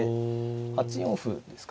８四歩ですか。